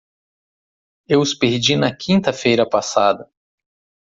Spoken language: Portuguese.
Eu os perdi na quinta-feira passada.